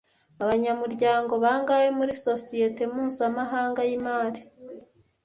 Abanyamuryango bangahe muri sosiyete mpuzamahanga yimari